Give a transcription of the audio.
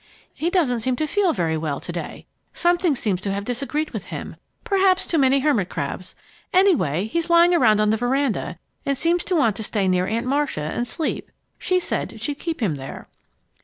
"He doesn't seem to feel very well to day. Something seems to have disagreed with him perhaps too many hermit crabs! Anyway, he's lying around on the veranda and seems to want to stay near Aunt Marcia and sleep. She said she'd keep him there."